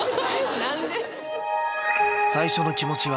何で？